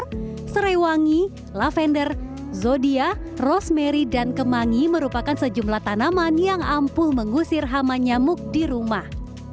ke serai wangi lavender zodia rosemary dan kemangi merupakan sejumlah tanaman yang ampuh mengusir hama nyamuk di rumah